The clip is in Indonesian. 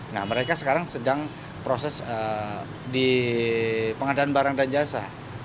nah mereka sekarang sedang proses di pengadaan barang dan jasa